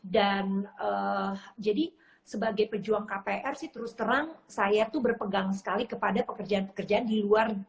dan jadi sebagai pejuang kpr sih terus terang saya tuh berpegang sekali kepada pekerjaan pekerjaan di luar